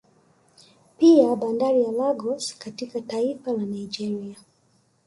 Pia bandari ya Lagos katika taifa la Nigeria